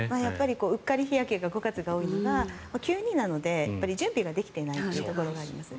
うっかり日焼けが５月が多いのは、急になので準備ができていないというところがあります。